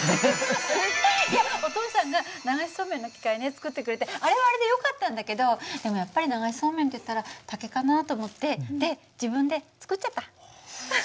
いやお父さんが流しそうめんの機械ね作ってくれてあれはあれでよかったんだけどでもやっぱり流しそうめんっていったら竹かなと思ってで自分で作っちゃった。